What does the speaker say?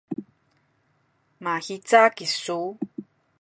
mahica kisu?